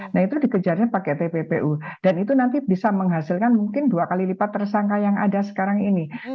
nah itu dikejarnya pakai tppu dan itu nanti bisa menghasilkan mungkin dua kali lipat tersangka yang ada sekarang ini